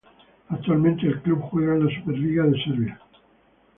Actualmente el club juega en la Superliga de Serbia.